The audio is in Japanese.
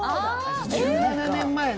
１７年前の。